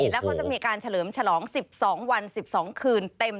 แล้วเขาจะมีการเฉลิมฉลอง๑๒วัน๑๒คืนเต็ม